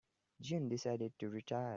June decided to retire.